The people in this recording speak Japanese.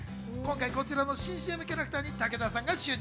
こちらの新ＣＭキャラクターに武田玲奈さんが就任。